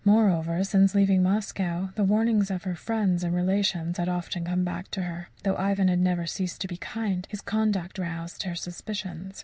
Moreover, since leaving Moscow the warnings of her friends and relations had often come back to her. Though Ivan had never ceased to be kind, his conduct roused her suspicions.